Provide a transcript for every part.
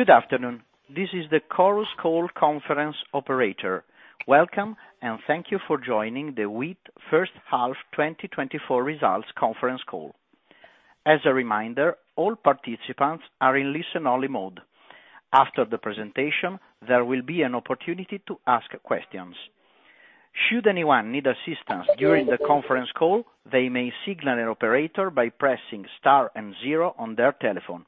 Good afternoon. This is the Chorus Call conference operator. Welcome, and thank you for joining the WIIT First Half 2024 Results Conference Call. As a reminder, all participants are in listen-only mode. After the presentation, there will be an opportunity to ask questions. Should anyone need assistance during the conference call, they may signal an operator by pressing star and zero on their telephone.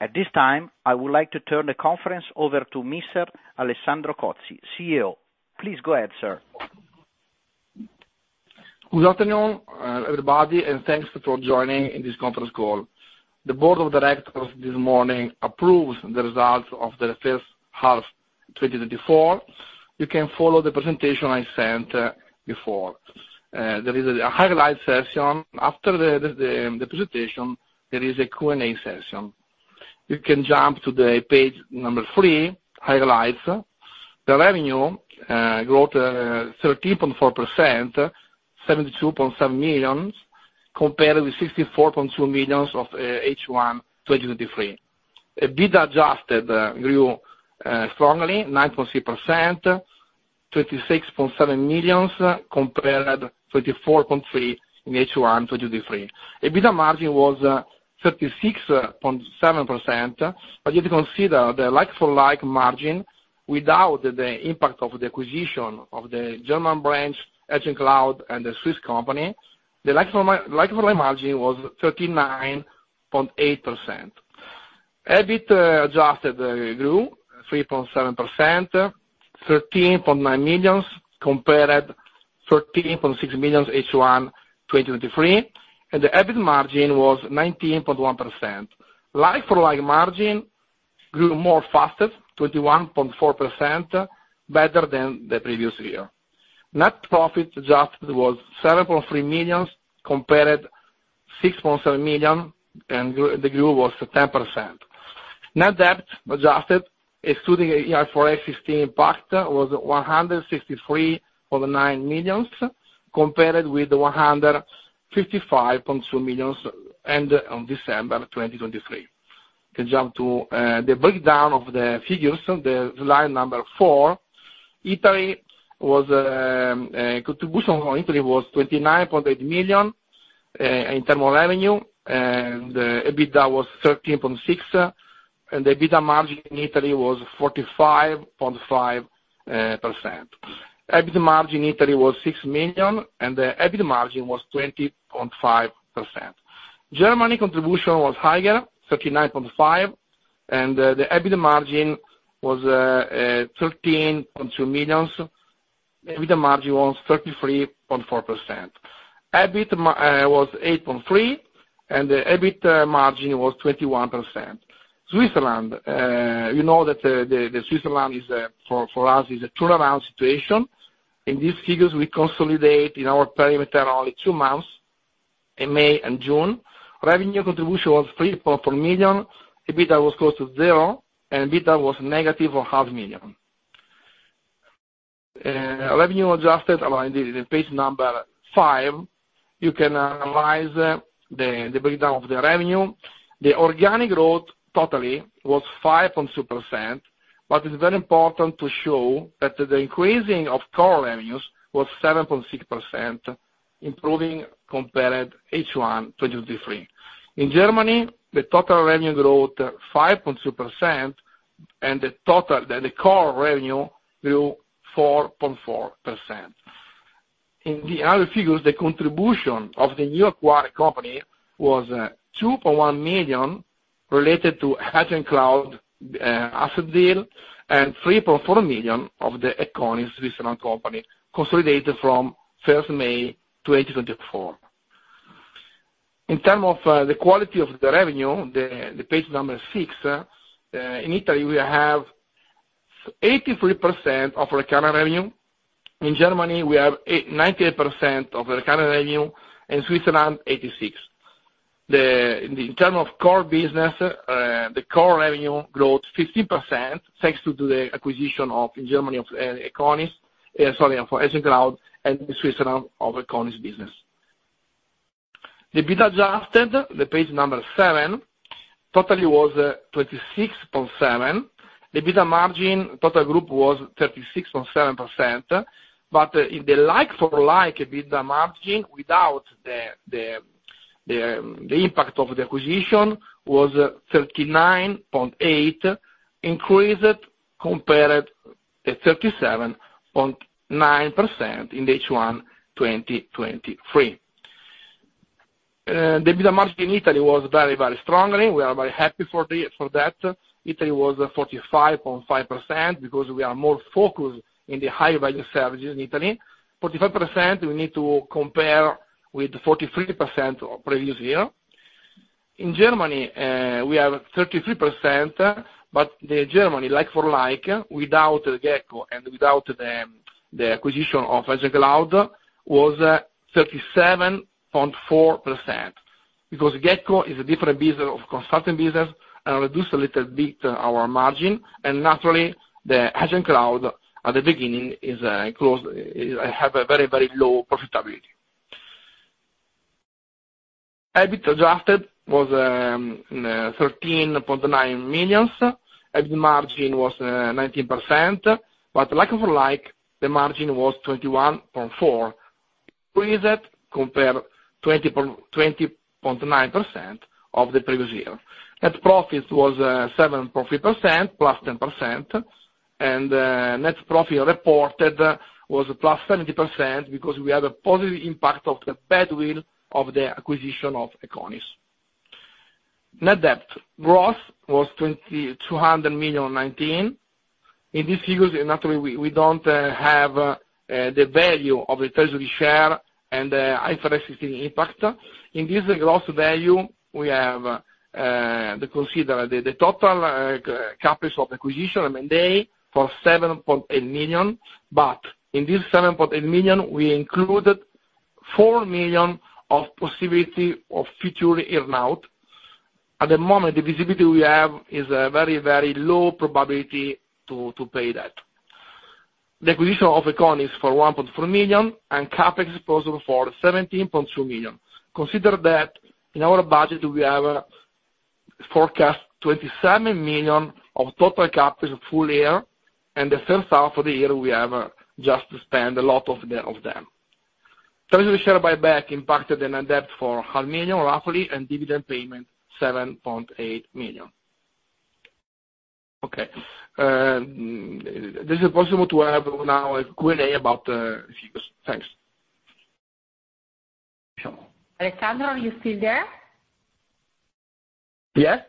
At this time, I would like to turn the conference over to Mr. Alessandro Cozzi, CEO. Please go ahead, sir. Good afternoon, everybody, and thanks for joining in this conference call. The board of directors this morning approved the results of the first half 2024. You can follow the presentation I sent before. There is a highlight section. After the presentation, there is a Q&A session. You can jump to the page number 3, highlights. The revenue grew 13.4%, 72.7 million, compared with 64.2 million of H1 2023. EBITDA adjusted grew strongly 9.3%, 36.7 million, compared 34.3 in H1 2023. EBITDA margin was 36.7%, but if you consider the like-for-like margin without the impact of the acquisition of the German branch, Edge & Cloud, and the Swiss company, the like-for-like margin was 39.8%. EBIT adjusted grew 3.7%, 13.9 million, compared to 13.6 million H1 2023, and the EBIT margin was 19.1%. Like-for-like margin grew more fastest, 21.4%, better than the previous year. Net profit adjusted was 7.3 million, compared to 6.7 million, and the growth was 10%. Net debt adjusted, excluding IFRS 15 impact, was 163.9 million, compared with 155.2 million end of December 2023. You can jump to the breakdown of the figures, the line number four. Italy's contribution was 29.8 million in terms of revenue, and EBITDA was 13.6 million, and the EBITDA margin in Italy was 45.5%. EBIT margin Italy was 6 million, and the EBIT margin was 20.5%. Germany contribution was higher, 39.5, and the EBIT margin was 13.2 million. EBITDA margin was 33.4%. EBIT was 8.3, and the EBIT margin was 21%. Switzerland, you know that, the Switzerland is, for us, is a turnaround situation. In these figures, we consolidate in our perimeter only two months, in May and June. Revenue contribution was 3.4 million. EBITDA was close to zero, and EBITDA was negative of 0.5 million. Revenue adjusted on the page number 5, you can analyze the breakdown of the revenue. The organic growth totally was 5.2%, but it's very important to show that the increasing of core revenues was 7.6%, improving compared H1 2023. In Germany, the total revenue growth, 5.2%, and the total, the core revenue grew 4.4%. In the other figures, the contribution of the new acquired company was, two point one million, related to Edge & Cloud, asset deal, and three point four million of the Econis Switzerland company, consolidated from first May 2024. In terms of, the quality of the revenue, the page number 6, in Italy, we have 83% of recurring revenue. In Germany, we have 98% of recurring revenue, in Switzerland, 86%. In terms of core business, the core revenue growth 15%, thanks to the acquisition of, in Germany, of, Econis, sorry, for Edge & Cloud and Switzerland of Econis business. The EBITDA adjusted, the page number 7, totally was, 26.7. The EBITDA margin, total group, was 36.7%, but, in the like-for-like EBITDA margin, without the, the, the, the impact of the acquisition, was 39.8, increased compared to 37.9% in the H1 2023. The EBITDA margin in Italy was very, very strongly. We are very happy for the, for that. Italy was 45.5% because we are more focused in the high value services in Italy. 45%, we need to compare with the 43% of previous year. In Germany, we have 33%, but the Germany like-for-like, without Gecko and without the acquisition of Edge & Cloud, was 37.4%. Because Gecko is a different business of consulting business and reduce a little bit our margin, and naturally, the Edge & Cloud, at the beginning, is close have a very, very low profitability. EBIT adjusted was 13.9 million EUR. EBIT margin was 19%, but like-for-like, the margin was 21.4%, compared 20.9% of the previous year. Net profit was 7.3% +10%, and net profit reported was +70% because we had a positive impact of the goodwill of the acquisition of Econis. Net debt group was 219 million. In these figures, naturally, we don't have the value of the treasury share and high interest impact. In this growth value, we have to consider the total CapEx of acquisition M&A for 7.8 million, but in this 7.8 million, we included 4 million of possibility of future earn-out. At the moment, the visibility we have is a very, very low probability to pay that. The acquisition of Econis for 1.4 million, and CapEx exposure for 17.2 million. Consider that in our budget, we have forecast 27 million of total CapEx full year, and the first half of the year, we have just spent a lot of them. Treasury share buyback impacted the net debt for 0.5 million, roughly, and dividend payment, 7.8 million. Okay, this is possible to have now a Q&A about the figures. Thanks. Alessandro, are you still there? Yes.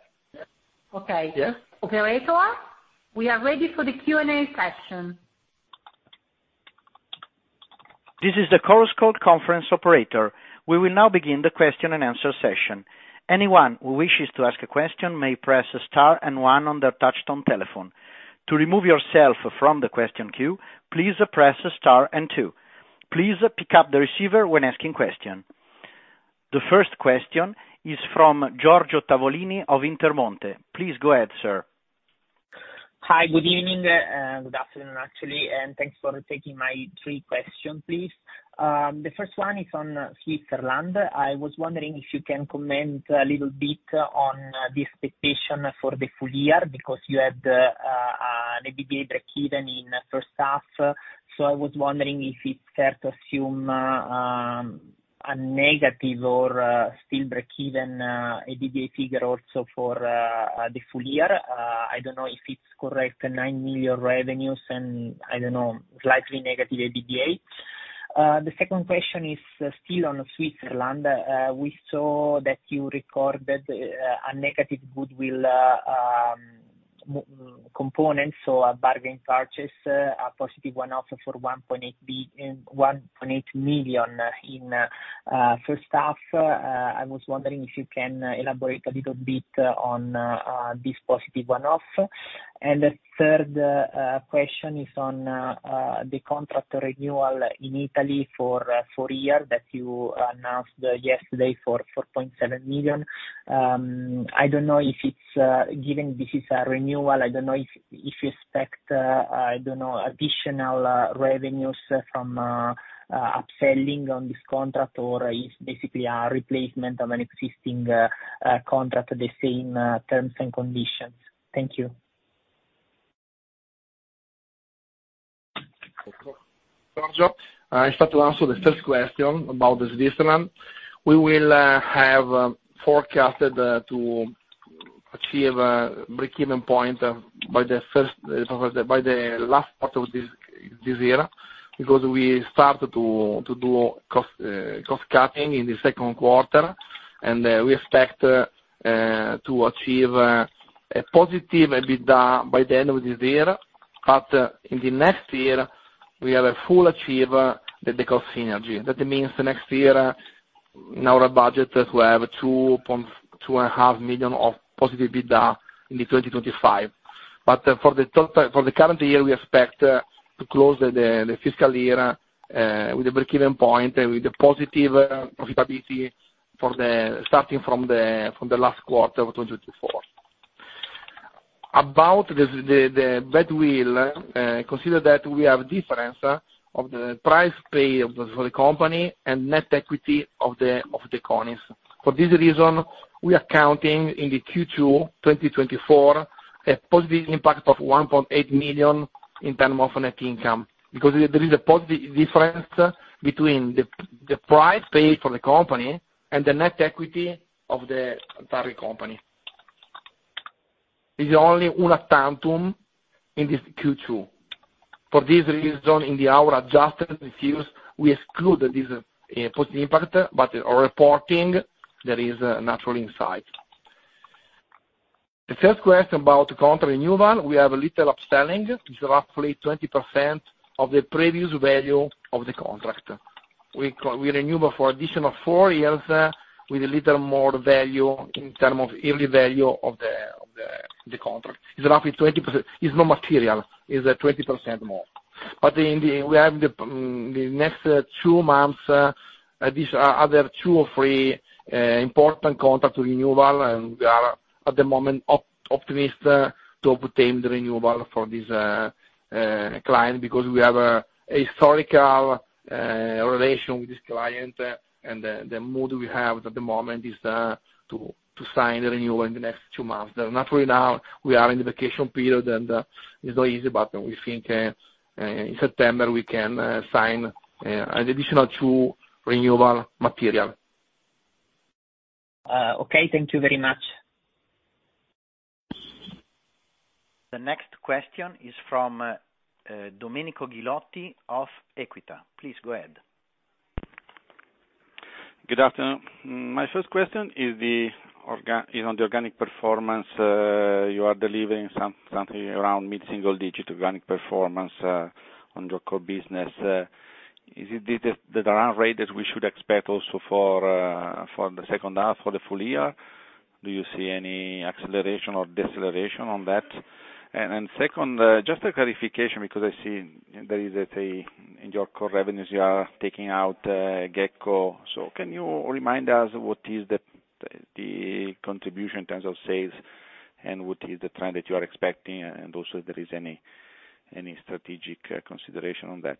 Okay. Yes. Operator, we are ready for the Q&A session. This is the Chorus Call conference operator. We will now begin the question-and-answer session. Anyone who wishes to ask a question may press star and one on their touchtone telephone. To remove yourself from the question queue, please press star and two. Please pick up the receiver when asking question. The first question is from Giorgio Tavolini of Intermonte. Please go ahead, sir. Hi, good evening, good afternoon, actually, and thanks for taking my third question, please. The first one is on Switzerland. I was wondering if you can comment a little bit on the expectation for the full year, because you had an EBITDA breakeven in the first half. So I was wondering if it's fair to assume a negative or still breakeven EBITDA figure also for the full year. I don't know if it's correct, 9 million revenues and, I don't know, slightly negative EBITDA. The second question is still on Switzerland. We saw that you recorded a negative goodwill component, so a bargain purchase, a positive one-off for 1.8 million in first half. I was wondering if you can elaborate a little bit on this positive one-off. And the third question is on the contract renewal in Italy for four-year that you announced yesterday for 4.7 million. I don't know if it's given this is a renewal, I don't know if you expect, I don't know, additional revenues from upselling on this contract or is basically a replacement of an existing contract at the same terms and conditions. Thank you. Giorgio, I start to answer the first question about Switzerland. We will have forecasted to achieve a breakeven point by the last part of this year, because we started to do cost cutting in the second quarter, and we expect to achieve a positive EBITDA by the end of this year. But in the next year, we have a full achieve the cost synergy. That means the next year, in our budget, we have 2.2 million-2.5 million of positive EBITDA in 2025. But for the total, for the current year, we expect to close the fiscal year with a breakeven point and with a positive profitability starting from the last quarter of 2024. About the badwill, consider that we have difference of the price paid for the company and net equity of the Econis. For this reason, we are counting in the Q2 2024, a positive impact of 1.8 million in terms of net income, because there is a positive difference between the price paid for the company and the net equity of the target company. It's only una tantum in this Q2. For this reason, in our adjusted reviews, we exclude this positive impact, but in our reporting, there is a natural insight. The third question about contract renewal, we have a little upselling. It's roughly 20% of the previous value of the contract. We renew for additional 4 years, with a little more value in terms of yearly value of the contract. It's roughly 20%. It's not material, it's 20% more. But in the next 2 months, these other 2 or 3 important contract renewals, and we are at the moment optimistic to obtain the renewal for this client because we have a historical relation with this client, and the mood we have at the moment is to sign the renewal in the next 2 months. Naturally now, we are in the vacation period, and it's not easy, but we think in September, we can sign an additional 2 material renewals. Okay. Thank you very much. The next question is from, Domenico Ghilotti of Equita. Please, go ahead. Good afternoon. My first question is on the organic performance. You are delivering something around mid-single digit organic performance on your core business. Is this the run rate that we should expect also for the second half, for the full year? Do you see any acceleration or deceleration on that? And second, just a clarification because I see there is in your core revenues, you are taking out Gecko. So can you remind us what is the contribution in terms of sales and what is the trend that you are expecting, and also if there is any strategic consideration on that?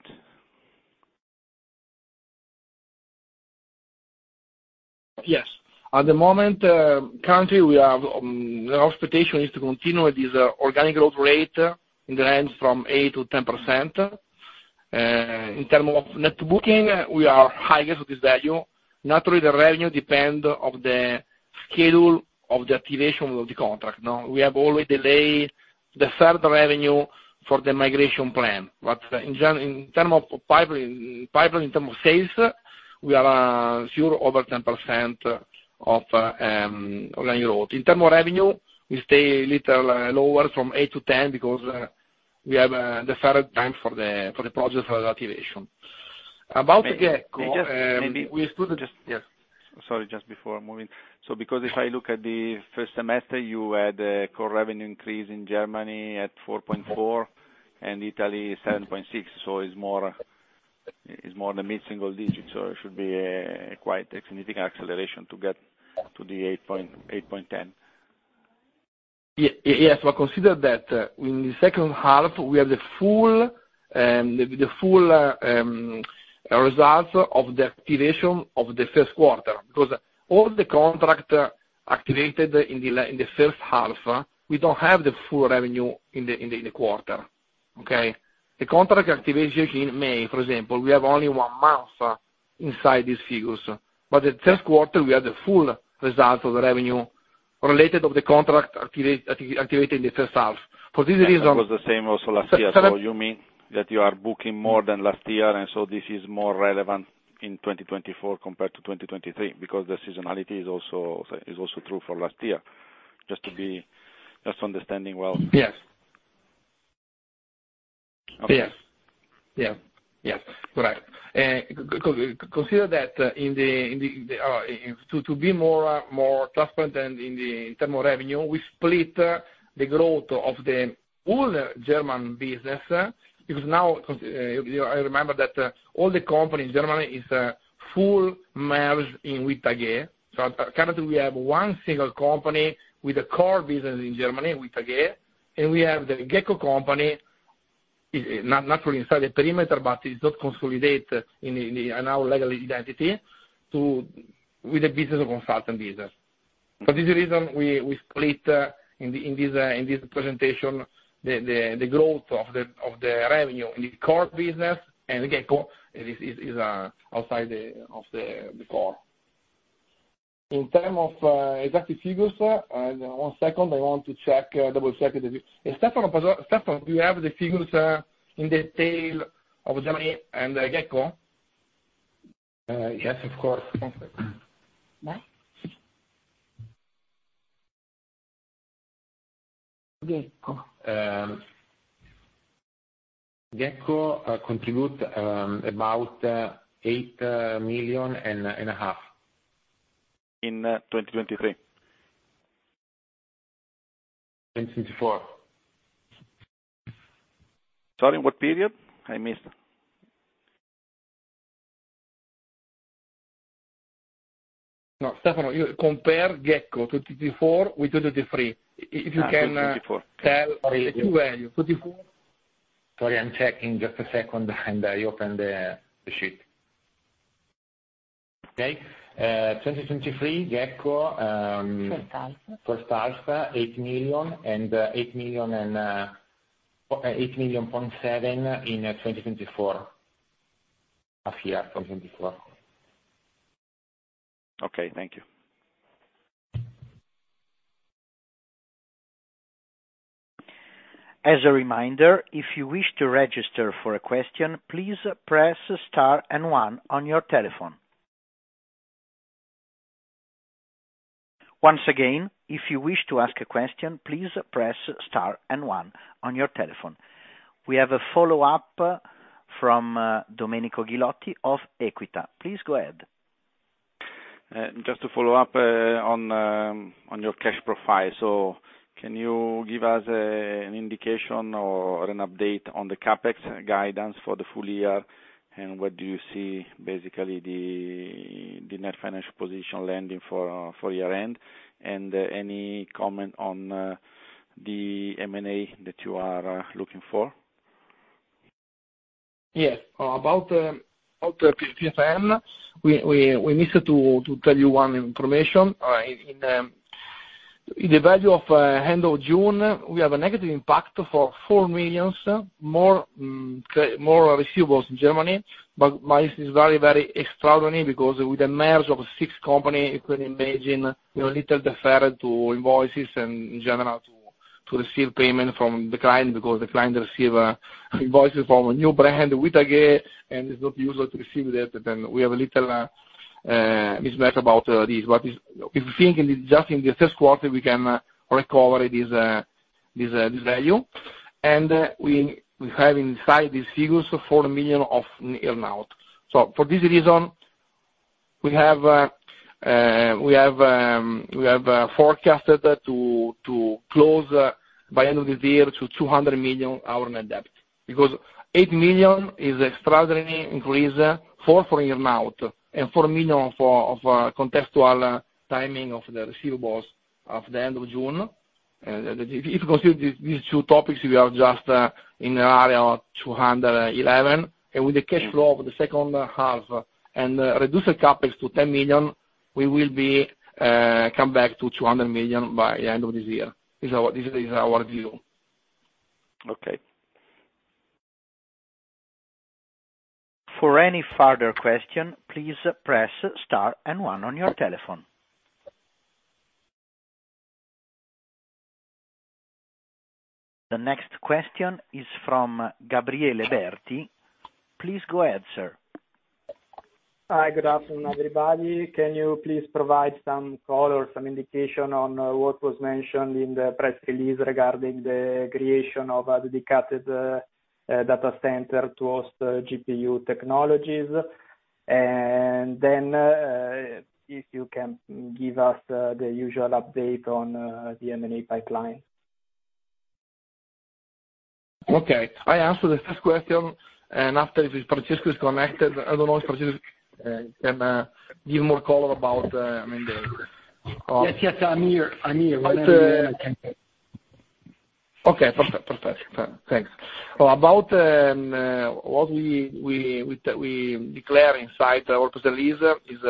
Yes. At the moment, currently, we have our expectation is to continue with this organic growth rate in the range from 8%-10%. In term of net booking, we are highest with this value. Naturally, the revenue depend of the schedule of the activation of the contract, no? We have always deferred revenue for the migration plan. But in term of pipeline, pipeline in term of sales, we are sure over 10% of organic growth. In term of revenue, we stay a little lower from 8-10 because we have the third time for the, for the project for activation. About Gecko, we still just-- Yeah. Sorry, just before moving. So because if I look at the first semester, you had a core revenue increase in Germany at 4.4, and Italy, 7.6, so it's more, it's more than mid-single digits, so it should be quite a significant acceleration to get to the 8.8-10. Yes, but consider that in the second half, we have the full results of the activation of the first quarter, because all the contract activated in the first half, we don't have the full revenue in the quarter. Okay? The contract activation in May, for example, we have only one month inside these figures, but the first quarter, we have the full results of the revenue related to the contract activated in the first half. For this reason- It was the same also last year. So you mean that you are booking more than last year, and so this is more relevant in 2024 compared to 2023, because the seasonality is also true for last year. Just to understand well. Yes. Yeah, yes, correct. Consider that, in the, in the, to be more transparent in terms of revenue, we split the growth of the all German business, because now, I remember that, all the company in Germany is full merged in with WIIT AG. So currently, we have one single company with a core business in Germany, with WIIT AG, and we have the Gecko company, naturally inside the perimeter, but it's not consolidated in our legal identity, with the business of consultant business. For this reason, we split, in this presentation, the growth of the revenue in the core business and Gecko is outside of the core. In terms of exact figures, one second, I want to check, double-check with you. Stefano, Stefano, do you have the figures in detail of Germany and Gecko? Yes, of course. Perfect. Gecko contribute about 8.5 million. In 2023? In 2024. Sorry, in what period? I missed. No, Stefano, you compare Gecko 2024 with 2023. Ah, 2024. If you can, tell the 2 value, 24. Sorry, I'm checking. Just a second, and I open the sheet. Okay, 2023, Gecko, First half, 8 million and 8 million and, 8.7 million in 2024. Of year 2024. Okay, thank you. As a reminder, if you wish to register for a question, please press Star and one on your telephone. Once again, if you wish to ask a question, please press Star and one on your telephone. We have a follow-up from Domenico Ghilotti of Equita. Please go ahead. Just to follow up on your cash profile. So can you give us an indication or an update on the CapEx guidance for the full year? And what do you see basically the net financial position landing for year-end? And any comment on the M&A that you are looking for? Yes. About the PFN, we missed to tell you one information. In the value of end of June, we have a negative impact for 4 million more receivables in Germany, but [May] is very, very extraordinary because with the merger of six companies, you could imagine, you know, little deferred to invoices and in general to receive payment from the client, because the client receive invoices from a new brand, WIIT AG, and it's not usual to receive that. Then we have a little mismatch about this. But if you think in just in the Q1, we can recover this value. And we have inside these figures 4 million of earn-out. So for this reason, we have forecasted to close by end of this year to 200 million our net debt. Because 8 million is extraordinary increase, 4 for earn-out and 4 million for contractual timing of the receivables of the end of June. If you consider these two topics, we are just in the area of 211 million. And with the cash flow of the second half and reduced CapEx to 10 million, we will come back to 200 million by the end of this year. This is our view. Okay. For any further question, please press star and one on your telephone. The next question is from Gabriele Berti. Please go ahead, sir. Hi, good afternoon, everybody. Can you please provide some color, some indication on what was mentioned in the press release regarding the creation of a dedicated data center towards the GPU technologies? And then, if you can give us the usual update on the M&A pipeline. Okay, I answer the first question, and after, if Francesco is connected, I don't know if Francesco can give more color about, I mean, the- Yes, yes, I'm here, I'm here. But, uh. Okay. Okay, perfect. Thanks. So about what we declare inside our press release is,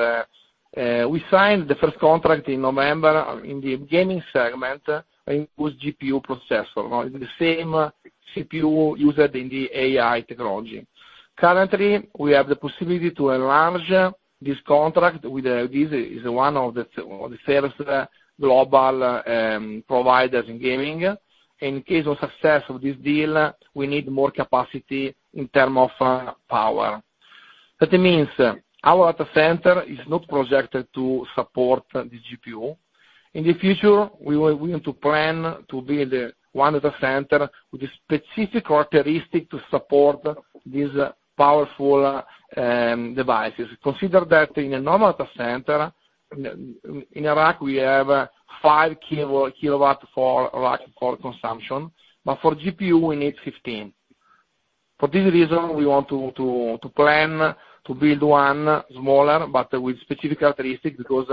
we signed the first contract in November in the gaming segment, and it was GPU processor, the same CPU used in the AI technology. Currently, we have the possibility to enlarge this contract with, this is one of the first global providers in gaming. In case of success of this deal, we need more capacity in term of power. That means, our data center is not projected to support the GPU. In the future, we were willing to plan to build one data center with a specific characteristic to support these powerful devices. Consider that in a normal data center, in a rack, we have 5 kilowatts for rack for consumption, but for GPU, we need 15. For this reason, we want to plan to build one smaller, but with specific characteristics, because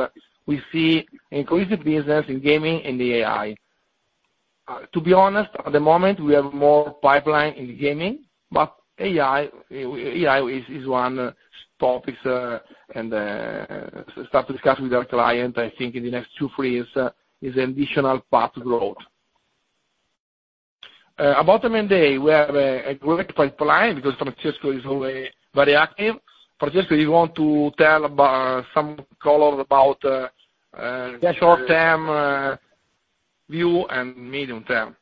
we see cloud business in gaming and the AI. To be honest, at the moment, we have more pipeline in gaming, but AI is one topic, and start to discuss with our client, I think in the next 2-3 years, is additional path to growth. About M&A, we have a great pipeline because Francesco is always very active. Francesco, you want to tell about some color about short term, view and medium term?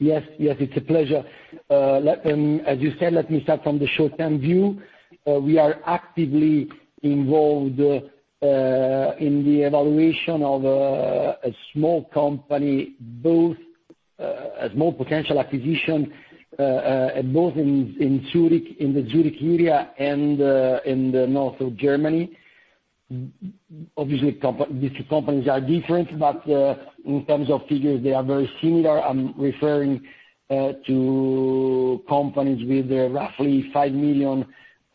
Yes, yes, it's a pleasure. As you said, let me start from the short-term view. We are actively involved in the evaluation of a small company, both a small potential acquisition, both in Zurich, in the Zurich area and in the north of Germany. Obviously, these two companies are different, but in terms of figures, they are very similar. I'm referring to companies with roughly 5 million euro and CHF 5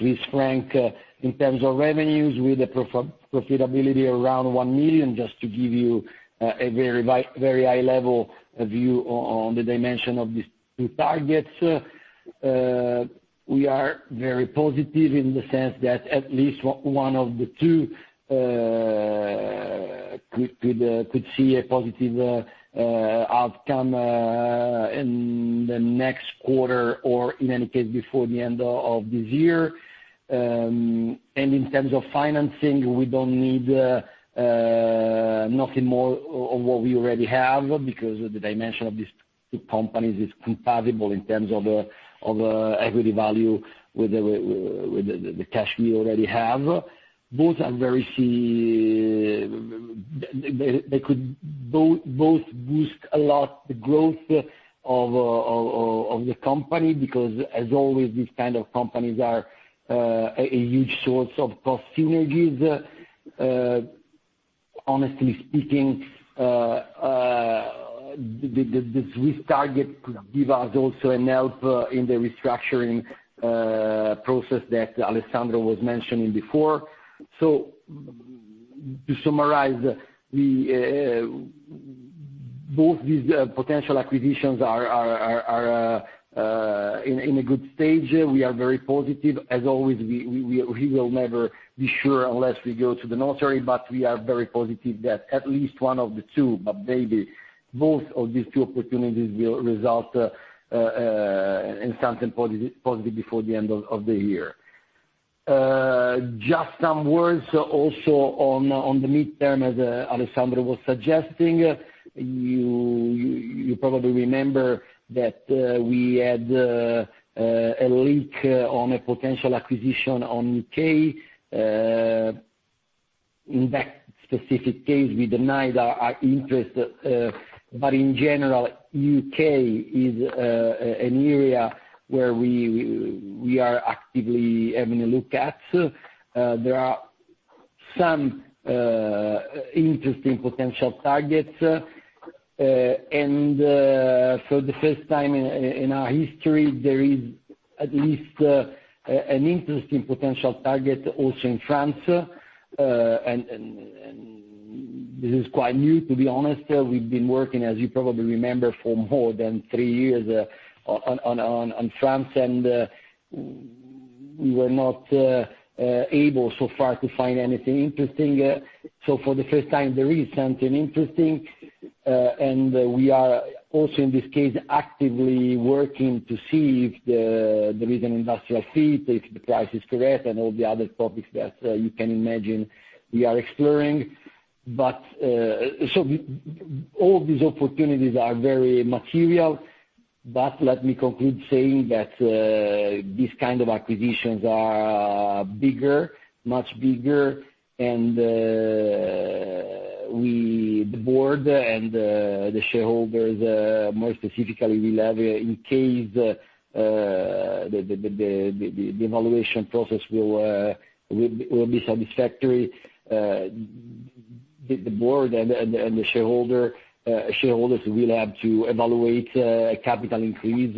million in terms of revenues, with profitability around 1 million, just to give you a very high-level view on the dimension of these two targets. We are very positive in the sense that at least one of the two could see a positive outcome in the next quarter, or in any case, before the end of this year. In terms of financing, we don't need nothing more of what we already have, because the dimension of these two companies is compatible in terms of equity value with the cash we already have. Both are very, see, they could both boost a lot the growth of the company, because as always, these kind of companies are a huge source of cost synergies. Honestly speaking, the Swiss target could give us also an help in the restructuring process that Alessandro was mentioning before. So to summarize, both these potential acquisitions are in a good stage. We are very positive. As always, we will never be sure unless we go to the notary, but we are very positive that at least one of the two, but maybe both of these two opportunities will result in something positive before the end of the year. Just some words also on the midterm, as Alessandro was suggesting, you probably remember that we had a leak on a potential acquisition on UK. In that specific case, we denied our interest, but in general, UK is an area where we are actively having a look at. There are some interesting potential targets. For the first time in our history, there is at least an interesting potential target also in France. This is quite new, to be honest. We've been working, as you probably remember, for more than three years on France, and we were not able so far to find anything interesting. So for the first time, there is something interesting, and we are also, in this case, actively working to see if there is an industrial fit, if the price is correct, and all the other topics that you can imagine we are exploring. But, so all these opportunities are very material, but let me conclude saying that, these kind of acquisitions are bigger, much bigger, and, we, the board and, the shareholders, more specifically, we have in case, the evaluation process will be satisfactory, the board and the shareholders will have to evaluate, capital increase,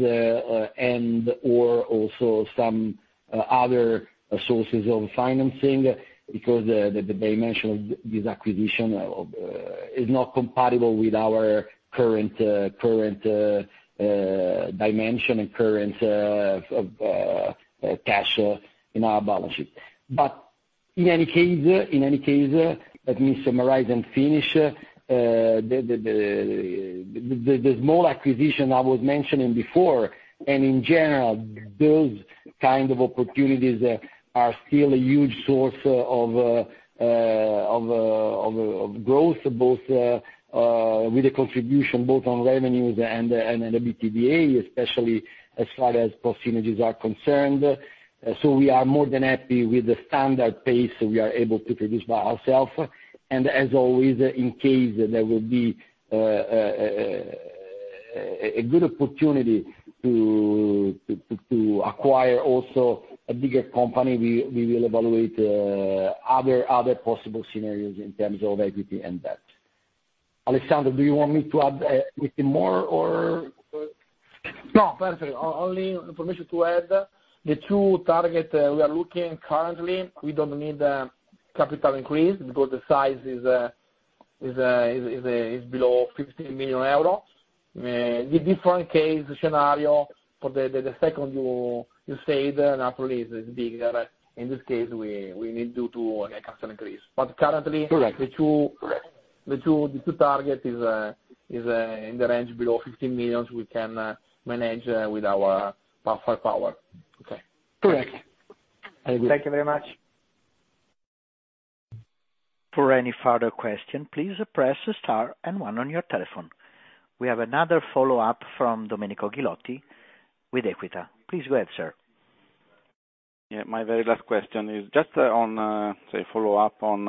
and/or also some other sources of financing, because the dimension of this acquisition is not compatible with our current dimension and current cash in our balance sheet. But in any case, in any case, let me summarize and finish. The small acquisition I was mentioning before, and in general, those kind of opportunities are still a huge source of growth, both with a contribution both on revenues and EBITDA, especially as far as cost synergies are concerned. So we are more than happy with the standard pace we are able to produce by ourself. And as always, in case there will be a good opportunity to acquire also a bigger company, we will evaluate other possible scenarios in terms of equity and debt. Alessandro, do you want me to add anything more, or? No, perfect. Only information to add, the two targets we are looking currently, we don't need capital increase because the size is below 50 million euros. The different case scenario for the second one you said, naturally, is bigger. In this case, we need to get capital increase. But currently the target is in the range below 50 million. We can manage with our own power. Okay. Correct. Thank you. Thank you very much. For any further question, please press Star and One on your telephone. We have another follow-up from Domenico Ghilotti with Equita. Please go ahead, sir. Yeah, my very last question is just on, say, follow up on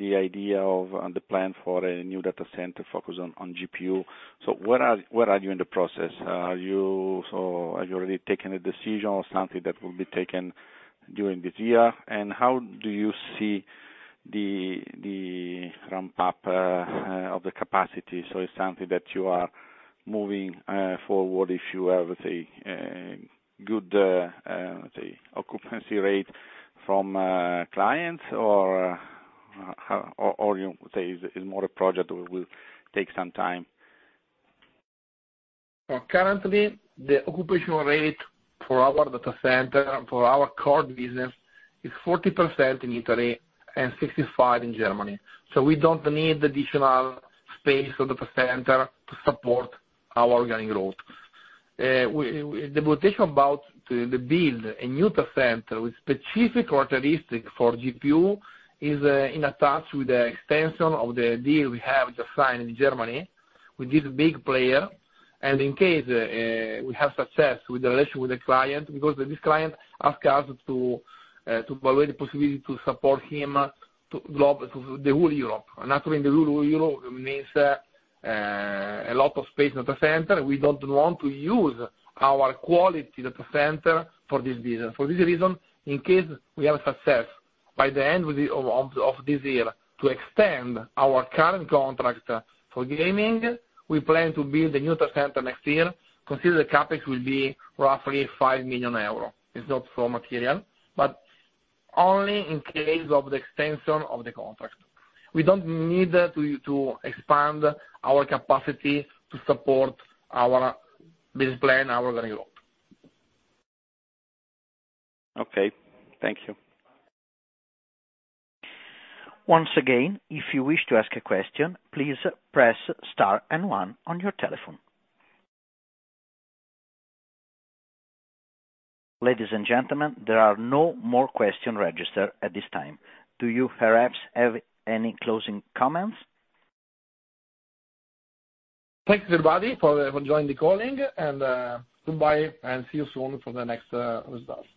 the idea of the plan for a new data center focused on GPU. So where are you in the process? Are you, so have you already taken a decision or something that will be taken during this year? And how do you see the ramp up of the capacity? So it's something that you are moving forward if you have, let's say, good occupancy rate from clients, or how, or you say is more a project that will take some time? Currently, the occupation rate for our data center, for our core business, is 40% in Italy and 65% in Germany. So we don't need additional space for data center to support our organic growth. The notation about the build a new data center with specific characteristic for GPU is in attach with the extension of the deal we have just signed in Germany with this big player. And in case we have success with the relationship with the client, because this client asked us to evaluate the possibility to support him to globe, to the whole Europe. And actually, the whole Europe means a lot of space data center. We don't want to use our quality data center for this business. For this reason, in case we have success, by the end of this year, to extend our current contract for gaming, we plan to build a new data center next year, considering the CapEx will be roughly 5 million euros. It's not so material, but only in case of the extension of the contract. We don't need to expand our capacity to support our business plan, our growing growth. Okay, thank you. Once again, if you wish to ask a question, please press Star and One on your telephone. Ladies and gentlemen, there are no more questions registered at this time. Do you perhaps have any closing comments? Thanks, everybody, for joining the call, and goodbye, and see you soon for the next results.